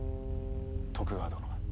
徳川殿。